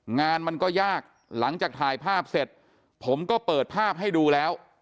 งานมันก็ยากหลังจากถ่ายภาพเสร็จผมก็เปิดภาพให้ดูแล้ว